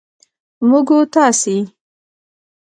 موږ و تاسې